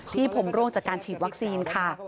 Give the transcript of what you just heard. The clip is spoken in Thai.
ที่ผมร่วงจากการฉีดวัคซีนค่ะ